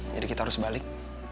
jadi kita harus balik